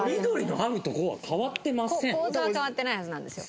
構図は変わってないはずなんですよ。